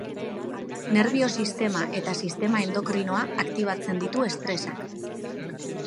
Nerbio-sistema eta sistema endokrinoa aktibatzen ditu estresak.